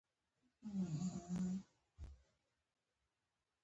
دا به مړ شي.